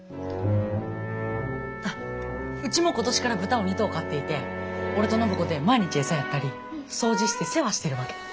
あっうちも今年から豚を２頭飼っていて俺と暢子で毎日餌やったり掃除して世話してるわけ。